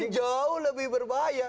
ini jauh lebih berbahaya